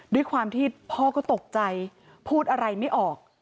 ด้วยความที่พ่อก็ตกใจพูดอะไรไม่ออก